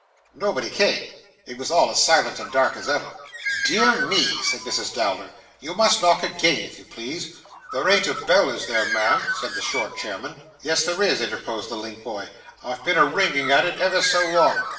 Nobody came. It was all as silent and dark as ever. 'Dear me!' said Mrs. Dowler. 'You must knock again, if you please.' There ain't a bell, is there, ma'am?' said the short chairman. 'Yes, there is,' interposed the link boy, 'I've been a ringing at it ever so long.